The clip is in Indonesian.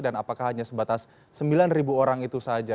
dan apakah hanya sebatas sembilan orang itu saja